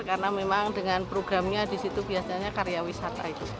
karena memang dengan programnya disitu biasanya karya wisata itu